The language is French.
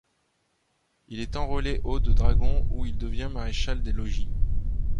Il est enrôlé au de dragons où il devient maréchal des logis.